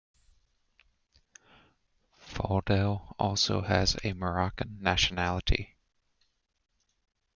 Faudel also has a Moroccan nationality.